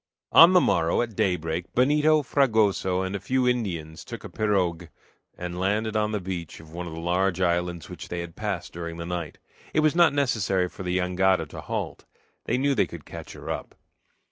On the morrow, at daybreak, Benito, Fragoso, and a few Indians took a pirogue and landed on the beach of one of the large islands which they had passed during the night. It was not necessary for the jangada to halt. They knew they could catch her up.